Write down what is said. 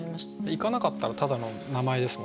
行かなかったらただの名前ですもんね。